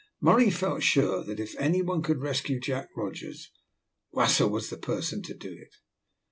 Murray felt sure that if any one could rescue Jack Rogers, Wasser was the person to do it.